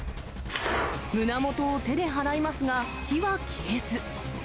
胸元を手で払いますが、火は消えず。